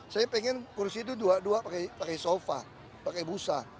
saya pengen kursi itu dua dua pakai sofa pakai busa